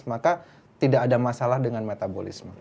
maka tidak ada masalah dengan metabolisme